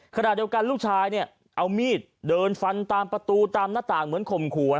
ขณะเดียวกันลูกชายเนี่ยเอามีดเดินฟันตามประตูตามหน้าต่างเหมือนข่มขู่